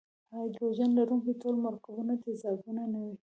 هایدروجن لرونکي ټول مرکبونه تیزابونه نه وي.